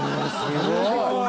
すごい！